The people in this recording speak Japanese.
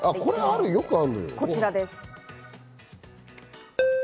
こちらです。